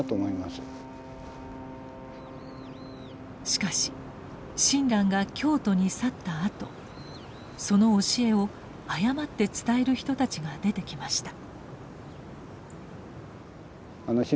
しかし親鸞が京都に去ったあとその教えを誤って伝える人たちが出てきました。